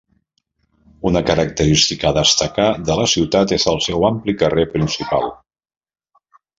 Una característica a destacar de la ciutat és el seu ampli carrer principal.